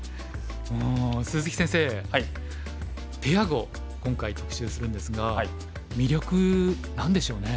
鈴木先生ペア碁今回特集するんですが魅力何でしょうね。